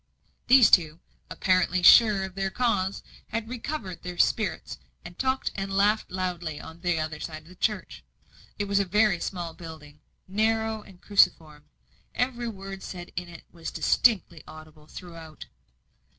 These two, apparently sure of their cause, had recovered their spirits, and talked and laughed loudly on the other side of the church. It was a very small building, narrow and cruciform; every word said in it was distinctly audible throughout.